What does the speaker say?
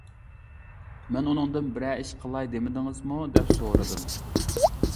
مەن ئۇنىڭدىن بىرەر ئىش قىلاي دېمىدىڭىزمۇ؟ دەپ سورىدىم.